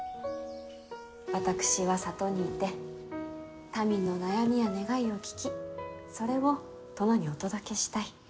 私は里にいて民の悩みや願いを聴きそれを殿にお届けしたい。